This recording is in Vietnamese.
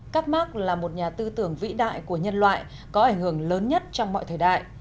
các mark là một nhà tư tưởng vĩ đại của nhân loại có ảnh hưởng lớn nhất trong mọi thời đại